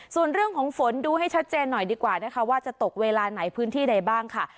ส่วนเรื่องของฝนดูให้ชัดเจนหน่อยดีกว่านะคะว่าจะตกเวลาไหนพื้นที่ใดบ้างค่ะ